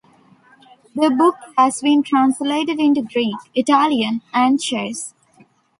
The book has been translated into Greek, Italian and Czech.